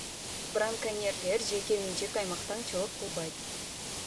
Браконьерлер жеке менчик аймакта аңчылык кылбайт.